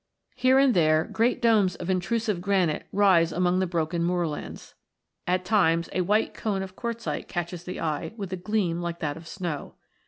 Here and there, great domes of intrusive granite rise amid the broken moorlands ; at times, a white cone of quartzite catches the eye with a gleam like that of snow.